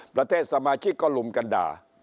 ประเทศสมาชิกก็ลุมกันด่า